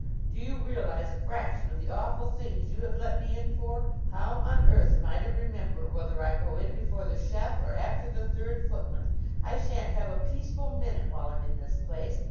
"Do you realize a fraction of the awful things you have let me in for? How on earth am I to remember whether I go in before the chef or after the third footman? I shan't have a peaceful minute while I'm in this place.